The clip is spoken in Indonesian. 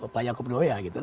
pak yaakob doya gitu kan